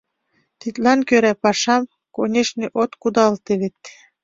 Тидлан кӧра пашам, конешне, от кудалте вет.